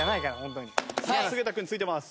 さあ菅田くんついてます。